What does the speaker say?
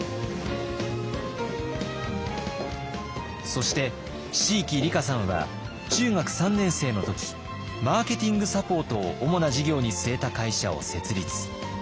そして椎木里佳さんは中学３年生の時マーケティングサポートを主な事業に据えた会社を設立。